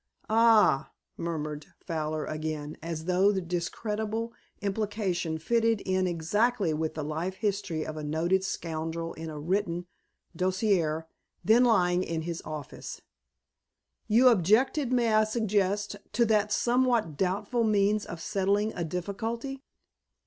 "Ah," murmured Fowler again, as though the discreditable implication fitted in exactly with the life history of a noted scoundrel in a written dossier then lying in his office. "You objected, may I suggest, to that somewhat doubtful means of settling a difficulty?"